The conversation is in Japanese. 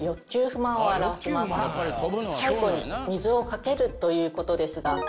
最後に水をかけるということですが通常人に対して。